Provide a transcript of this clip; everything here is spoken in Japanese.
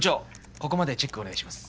ここまでチェックお願いします。